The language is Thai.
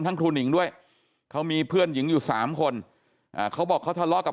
ครูหนิงด้วยเขามีเพื่อนหญิงอยู่๓คนเขาบอกเขาทะเลาะกับ